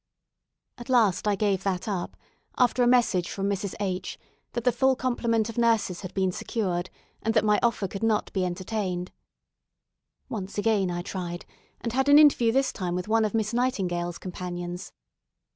At last I gave that up, after a message from Mrs. H. that the full complement of nurses had been secured, and that my offer could not be entertained. Once again I tried, and had an interview this time with one of Miss Nightingale's companions.